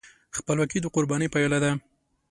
خپلواکي د قربانۍ پایله ده.